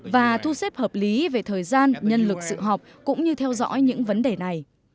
và thu xếp hợp lý về thời gian nhân lực sự học cũng như theo dõi những vấn đề này